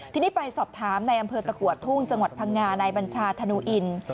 ทีนี้ไปสอบถามในอำเภอตะกัวทุ่งจังหวัดพังงาในบัญชาธนูอิน